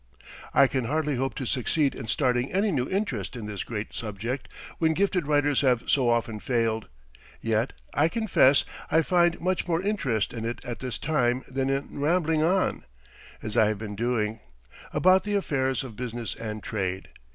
I can hardly hope to succeed in starting any new interest in this great subject when gifted writers have so often failed. Yet I confess I find much more interest in it at this time than in rambling on, as I have been doing, about the affairs of business and trade.